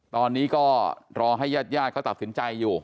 ตอนนี้ก็รอให้ญาติญาติเขาตัดสินใจอยู่